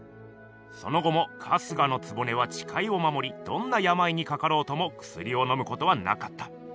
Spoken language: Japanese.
その後も春日局はちかいをまもりどんなやまいにかかろうともくすりをのむことはなかった。